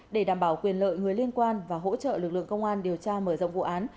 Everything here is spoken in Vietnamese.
để đảm bảo quyền lợi người liên quan và hỗ trợ lực lượng công an điều tra mở rộng vụ án